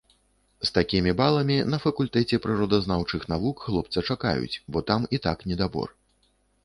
З такімі баламі на факультэце прыродазнаўчых навук хлопца чакаюць, бо там і так недабор.